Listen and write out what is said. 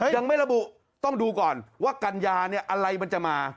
ยังไม่ระบุต้องดูก่อนว่ากัญญาเนี่ยอะไรมันจะมา